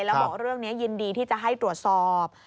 แล้วบอกเรื่องนี้ยินดีที่จะให้ตรวจสอบ